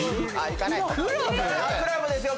クラブですよ